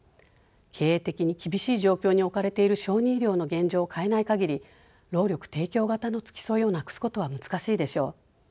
経営的に厳しい状況に置かれている小児医療の現状を変えないかぎり労力提供型の付き添いをなくすことは難しいでしょう。